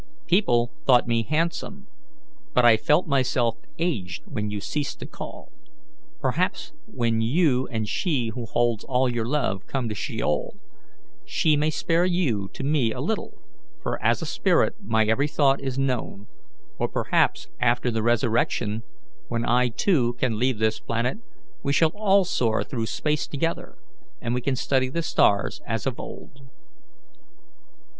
People thought me handsome, but I felt myself aged when you ceased to call. Perhaps when you and she who holds all your love come to sheol, she may spare you to me a little, for as a spirit my every thought is known; or perhaps after the resurrection, when I, too, can leave this planet, we shall all soar through space together, and we can study the stars as of old."